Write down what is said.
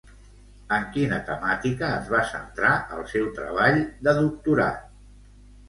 En quina temàtica es va centrar el seu treball de doctorat?